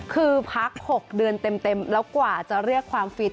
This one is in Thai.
คือพัก๖เดือนเต็มแล้วกว่าจะเรียกความฟิต